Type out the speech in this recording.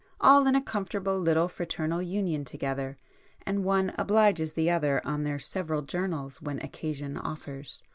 All in a comfortable little fraternal union together, and one obliges the other on their several journals when occasion offers.